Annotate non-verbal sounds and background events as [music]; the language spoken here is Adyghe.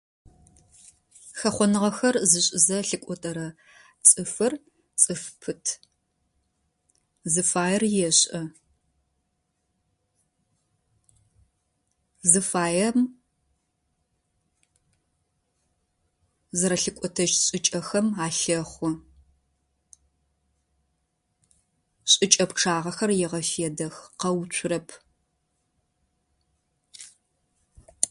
Хэхъоныгъэхэр зышӏызэ лъыкӏотэрэ цӏыфыр - цӏыф пыт. Зыфаер ешӏэ, зыфаем зэрэлъыкӏотэщт шӏыкӏэхэм алъэхъу. Шӏыкӏэ пчъагъэхэр егъэфедэх. Къэуцурэп. [noise]